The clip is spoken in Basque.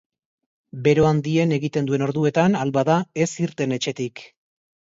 Bero handien egiten duen orduetan, ahal bada, ez irten etxetik.